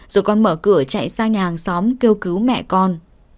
rồi con mở cửa chạy sang nhà hàng xóm kêu cứu mẹ con